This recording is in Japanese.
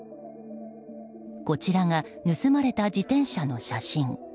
こちらが盗まれた自転車の写真。